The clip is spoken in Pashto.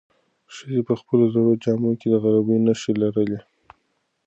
ښځې په خپلو زړو جامو کې د غریبۍ نښې لرلې.